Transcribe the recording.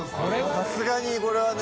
さすがにこれはね。